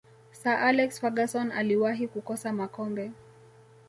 sir alex ferguson aliwahi kukosa makombe